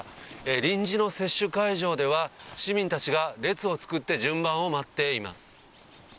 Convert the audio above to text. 臨時の接種会場では市民たちが列を作って順番を待っています。